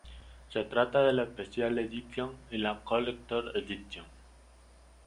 Se trata de la "Special Edition" y la "Collector's Edition".